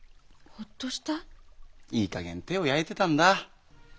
いい加減手を焼いてたんだ。